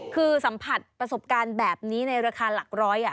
คือสัมผัสประสบการณ์แบบนี้ในราคาหลักร้อย